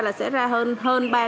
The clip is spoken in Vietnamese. là sẽ ra hơn ba